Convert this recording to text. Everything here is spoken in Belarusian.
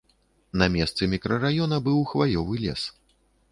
На месцы мікрараёна быў хваёвы лес.